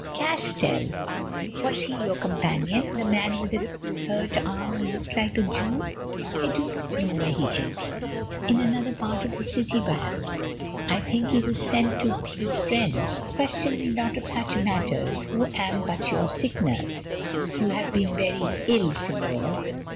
"Castell? Was he your companion, the man with a hurt arm who looked like a Jew? I do not know where he is. In another part of the city, perhaps. I think that he was sent to his friends. Question me not of such matters, who am but your sick nurse. You have been very ill, Señor.